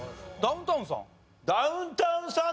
ダウンタウンさん